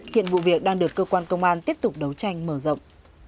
hiện vụ việc đang được cơ quan công an tiếp tục đấu tranh mở rộng